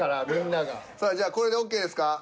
じゃあこれでＯＫですか？